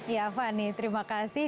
ya fani terima kasih